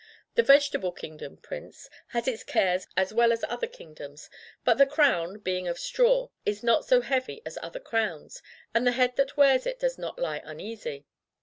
The Vegetable Kingdom, Prince, has its cares as well as other kingdoms, but the crown, being of straw, is not so heavy as other crowns, and the head that wears it does not lie uneasy.